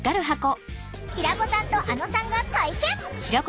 平子さんとあのさんが体験！